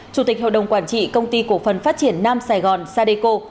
chủ tịch hội đồng quản trị công ty cổ phần phát triển nam sài gòn sadeco